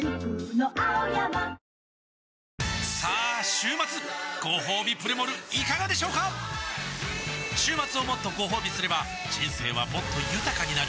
週末ごほうびプレモルいかがでしょうか週末をもっとごほうびすれば人生はもっと豊かになる！